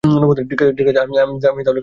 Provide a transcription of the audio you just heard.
ঠিকাছে, তাহলে আমি কাল সকালে গাড়ি পাঠাচ্ছি।